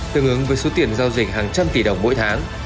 tương ứng với số tiền giao dịch hàng trăm tỷ đồng mỗi tháng